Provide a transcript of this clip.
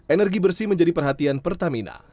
energi bersih menjadi perhatian pertamina